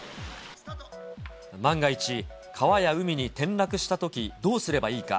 万が一、川や海に転落したときどうすればいいか。